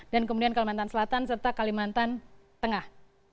dan kemudian kalimantan selatan serta kalimantan tengah